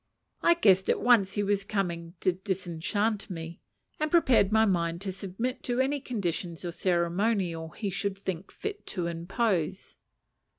I guessed at once he was coming to disenchant me, and prepared my mind to submit to any conditions or ceremonial he should think fit to impose.